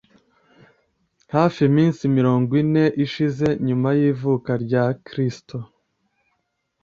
Hafi iminsi mirongo ine ishize nyuma y’ivuka rya Kristo